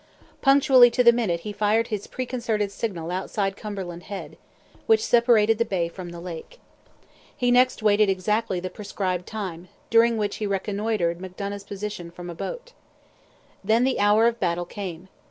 Punctually to the minute he fired his preconcerted signal outside Cumberland Head, which separated the bay from the lake. He next waited exactly the prescribed time, during which he reconnoitred Macdonough's position from a boat. Then the hour of battle came.